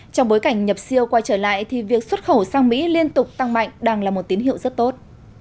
trong bối cảnh nhập siêu quay trở lại thì việc xuất khẩu sang mỹ liên tục tăng mạnh đang là một tín hiệu rất tốt